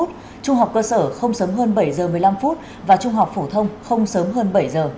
trung học cơ sở không sớm hơn bảy h một mươi năm và trung học phổ thông không sớm hơn bảy h